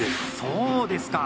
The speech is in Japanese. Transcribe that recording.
そうですか。